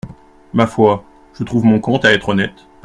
Ma foi, je trouve mon compte à être honnête.